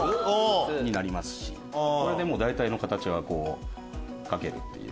これでもう大体の形は描けるという。